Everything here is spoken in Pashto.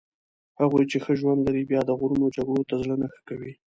هغوی چې ښه ژوند لري بیا د غرونو جګړو ته زړه نه ښه کوي.